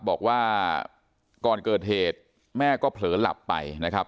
บอกว่าก่อนเกิดเหตุแม่ก็เผลอหลับไปนะครับ